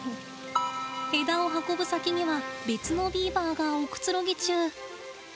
枝を運ぶ先には別のビーバーがおくつろぎ中。